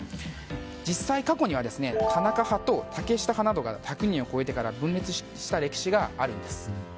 実際、過去には田中派と竹下派などが１００人を超えてから分裂した歴史があるんです。